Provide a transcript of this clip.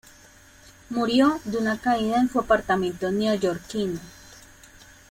Murió de una caída en su apartamento neoyorquino.